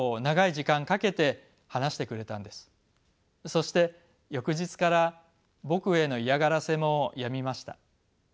そして翌日から僕への嫌がらせもやみました。